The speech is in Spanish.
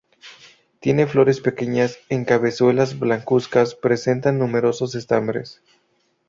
Tiene flores pequeñas, en cabezuelas, blancuzcas, presenta numerosos estambres.